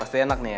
pasti enak nih ya